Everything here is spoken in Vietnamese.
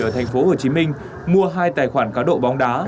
ở thành phố hồ chí minh mua hai tài khoản cá độ bóng đá